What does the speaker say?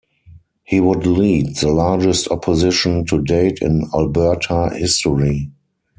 He would lead the largest opposition to date in Alberta history.